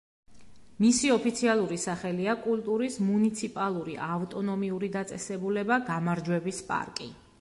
მისი ოფიციალური სახელია კულტურის მუნიციპალური ავტონომიური დაწესებულება „გამარჯვების პარკი“.